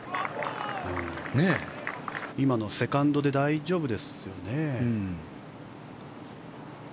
今の、セカンドで大丈夫ですよね。